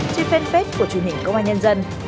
trên fanpage của truyền hình công an nhân dân